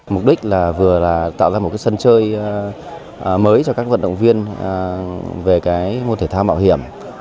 mục đích là vừa là tạo ra một cái sân chơi mới cho các vận động viên về cái môn thể thao mạo hiểm